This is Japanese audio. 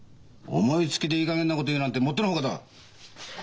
思いつきでいいかげんなこと言うなんてもっての外だ！